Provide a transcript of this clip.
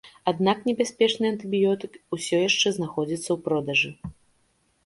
Аднак небяспечны антыбіётык усё яшчэ знаходзіцца ў продажы.